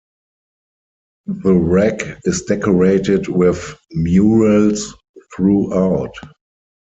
The Rec is decorated with murals throughout.